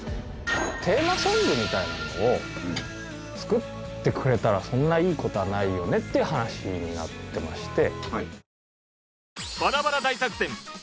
テーマソングみたいなのを作ってくれたらそんないい事はないよねっていう話になってまして。